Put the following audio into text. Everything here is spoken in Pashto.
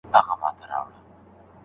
خدمات د خلګو لپاره وړاندې کیږي.